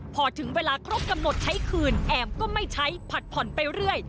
พอถึงเวลาครบกำหนดใช้คืนแอมก็ไม่ใช้ผัดผ่อนไปเรื่อย